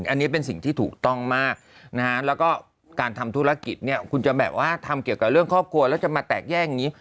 อันนี้เป็นสิ่งที่ถูกต้องมากนะฮะแล้วก็การทำธุรกิจเนี่ยคุณจะแบบว่าทำเกี่ยวกับเรื่องครอบครัวแล้วจะมาแตกแยกอย่างนี้